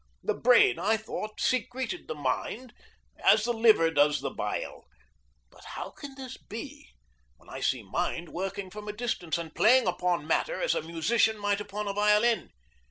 The brain, I thought, secreted the mind, as the liver does the bile. But how can this be when I see mind working from a distance and playing upon matter as a musician might upon a violin?